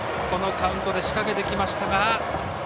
このカウントで仕掛けてきましたが。